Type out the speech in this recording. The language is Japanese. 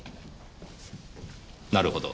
なるほど。